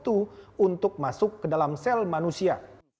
untuk masuk ke dalam sel manusia